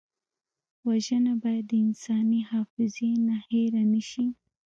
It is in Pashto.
وژنه باید د انساني حافظې نه هېره نه شي